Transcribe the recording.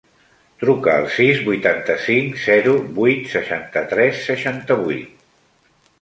Truca al sis, vuitanta-cinc, zero, vuit, seixanta-tres, seixanta-vuit.